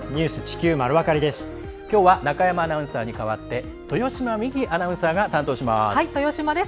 きょうは中山アナウンサーに代わって豊島実季アナウンサーが担当します。